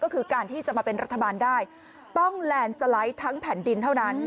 ก็คือการที่จะมาเป็นรัฐบาลได้ต้องแลนด์สไลด์ทั้งแผ่นดินเท่านั้น